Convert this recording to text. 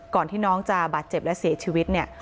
ที่น้องจะบาดเจ็บและเสียชีวิตเนี่ย